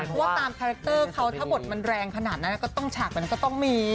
เพราะว่าตามคาแรคเตอร์เขาถ้าบทมันแรงขนาดนั้นก็ต้องฉากมันก็ต้องมี